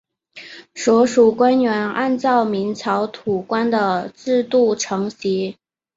所属官员按照明朝土官的制度承袭。